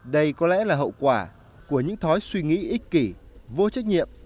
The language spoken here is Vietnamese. đây có lẽ là hậu quả của những thói suy nghĩ ích kỷ vô trách nhiệm